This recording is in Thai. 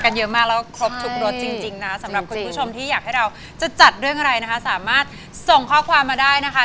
สำหรับคุณผู้ชมที่อยากให้เราจะจัดเรื่องอะไรนะคะสามารถส่งข้อความมาได้นะคะ